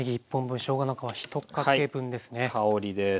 香りです。